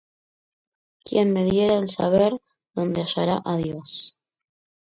Quién me diera el saber dónde hallar á Dios!